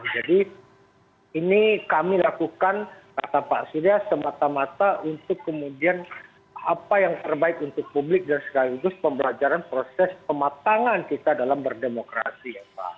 jadi ini kami lakukan kata pak sudia semata mata untuk kemudian apa yang terbaik untuk publik dan sekaligus pembelajaran proses pematangan kita dalam berdemokrasi ya pak